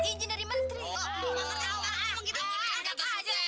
eh jangan jangan tangannya